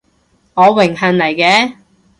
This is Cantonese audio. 我榮幸嚟嘅